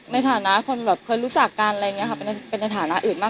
ในถานะคนเราก็เคยรู้จักกันก็เป็นในถานะอื่นกว่า